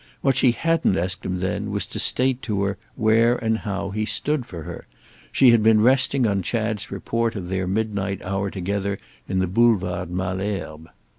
What she hadn't asked him then was to state to her where and how he stood for her; she had been resting on Chad's report of their midnight hour together in the Boulevard Malesherbes.